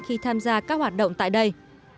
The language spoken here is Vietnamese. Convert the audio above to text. khi tham gia các hoạt động tại đây